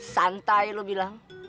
santai lu bilang